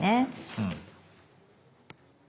うん。